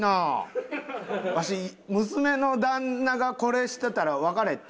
わし娘の旦那がこれしてたら「別れぇ」って言う。